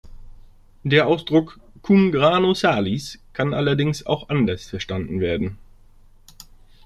Der Ausdruck „cum grano salis“ kann allerdings auch anders verstanden werden.